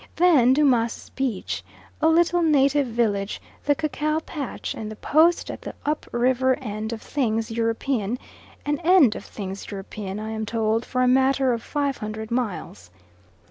Then Dumas' beach, a little native village, the cacao patch and the Post at the up river end of things European, an end of things European, I am told, for a matter of 500 miles.